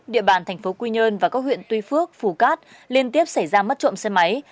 địa bàn thành phố quy nhơn và các huyện tuy phước phù cát liên tiếp xảy ra mất trộm xe máy